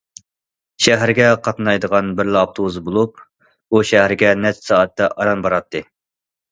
شەھەرگە قاتنايدىغان بىرلا ئاپتوبۇس بولۇپ، ئۇ شەھەرگە نەچچە سائەتتە ئاران باراتتى.